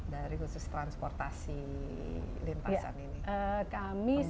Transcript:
dari khusus transportasi lintasan ini